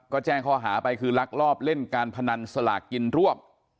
ก็แจ้งข้อหาไปคือลักลอบเล่นการพนันสลากกินรวบ